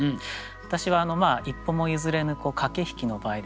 私は一歩も譲れぬ駆け引きの場合ですね